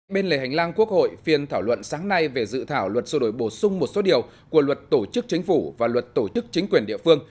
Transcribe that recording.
bên lề hành lang quốc hội phiên thảo luận sáng nay về dự thảo luật xô đổi bổ sung một số điều của luật tổ chức chính phủ và luật tổ chức chính quyền địa phương